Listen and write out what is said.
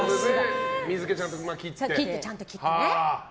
水気をちゃんと切ってと。